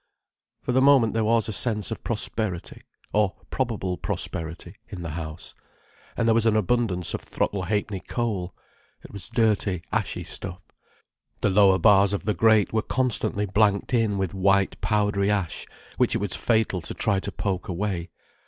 For the moment there was a sense of prosperity—or probable prosperity, in the house. And there was an abundance of Throttle Ha'penny coal. It was dirty ashy stuff. The lower bars of the grate were constantly blanked in with white powdery ash, which it was fatal to try to poke away.